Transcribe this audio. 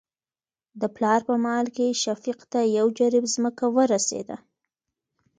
د پلار په مال کې شفيق ته يو جرېب ځمکه ورسېده.